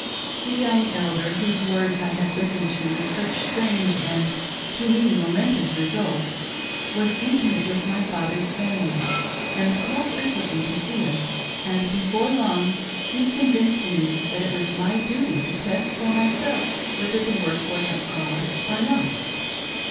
The young Elder, whose words I had listened to with such strange and, to me, momentous results, was intimate with my father's family and called frequently to see us, and before long he convinced me that it was my duty to test for myself whether the work was of God, or not.